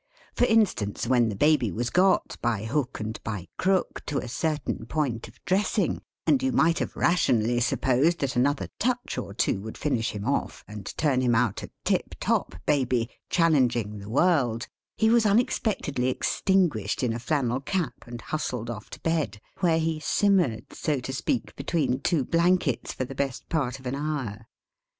For instance: when the Baby was got, by hook and by crook, to a certain point of dressing, and you might have rationally supposed that another touch or two would finish him off, and turn him out a tip top Baby, challenging the world, he was unexpectedly extinguished in a flannel cap, and hustled off to bed; where he simmered (so to speak) between two blankets for the best part of an hour.